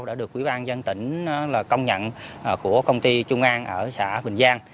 đã được quỹ ban dân tỉnh công nhận của công ty trung an ở xã bình giang